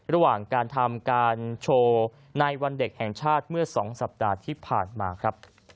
ระหว่างการทำการโชว์ในวันเด็กแห่งชาติเมื่อ๒สัปดาห์ที่ผ่านมาครับ